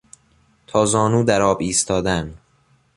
تا زانو در آب ایستادن